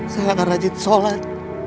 saya akan rajin sholat